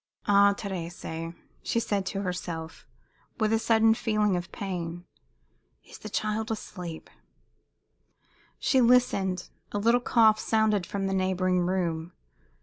"Ah, Thérèse!" she said to herself, with a sudden feeling of pain. "Is the child asleep?" She listened. A little cough sounded from the neighboring room.